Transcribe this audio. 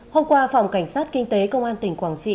hôm qua phòng cảnh sát kinh tế công an tỉnh quảng trị